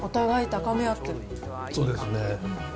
そうですね。